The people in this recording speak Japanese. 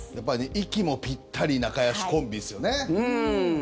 息もぴったり仲よしコンビですよね。